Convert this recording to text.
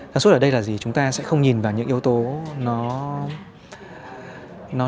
sáng suốt ở đây là gì chúng ta sẽ không nhìn vào những yếu tố nó